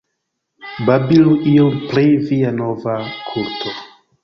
Babilu iom pri via nova kulto.